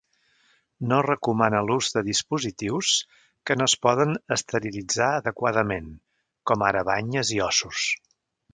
No es recomana l'ús de dispositius que no es poden esterilitzar adequadament, com ara banyes i ossos.